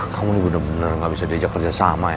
kamu ini bener bener gak bisa diajak kerjasama ya